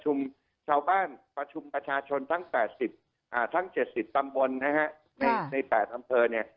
ชุมชาวบ้านประชาชนทั้ง๗๐ลำบลใน๘ลำบลเนี่ย